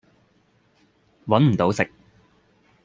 搵唔到食